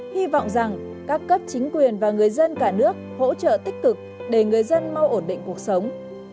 hy vọng rằng các cấp chính quyền và người dân cả nước hỗ trợ tích cực để người dân mau ổn định cuộc sống